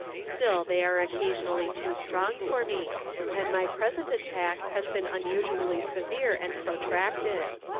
Still they are occasionally too strong for me, and my present attack has been unusually severe and protracted.